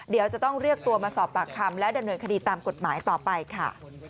เดี๋ยวจะต้องเรียกตัวมาสอบปากคำและดำเนินคดีตามกฎหมายต่อไปค่ะ